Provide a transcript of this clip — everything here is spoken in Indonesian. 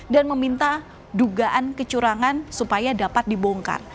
dan meminta dugaan kecurangan supaya dapat dibongkar